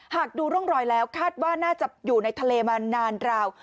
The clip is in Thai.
หากดูร่องรอยแล้วคาดว่าน่าจะอยู่ในทะเลมานานราว